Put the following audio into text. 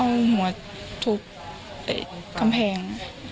เอาหัวถูกกำแพง